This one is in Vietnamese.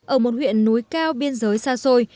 ở một huyện núi cao biên giới xa xôi